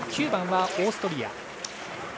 ９番はオーストリア。